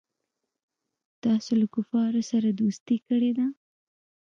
تاسو له کفارو سره دوستي کړې ده.